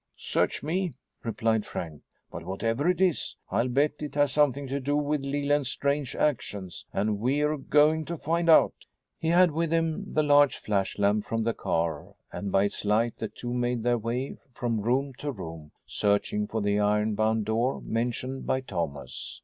"Search me," replied Frank. "But whatever it is, I'll bet it has something to do with Leland's strange actions. And we're going to find out." He had with him the large flashlamp from the car, and, by its light, the two made their way from room to room searching for the iron bound door mentioned by Thomas.